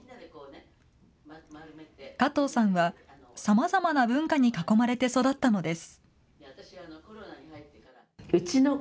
加藤さんは、さまざまな文化に囲まれて育ったのです。